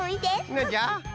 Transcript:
なんじゃ？